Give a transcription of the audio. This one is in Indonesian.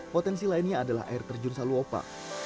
potensi lainnya adalah air terjun selalu lupa